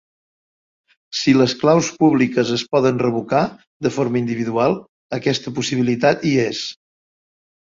Si les claus públiques es poden revocar de forma individual, aquesta possibilitat hi és.